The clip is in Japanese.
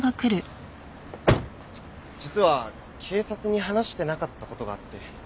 実は警察に話してなかった事があって。